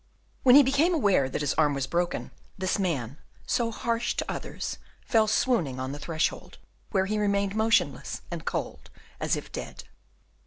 When he became aware that his arm was broken, this man, so harsh to others, fell swooning on the threshold, where he remained motionless and cold, as if dead.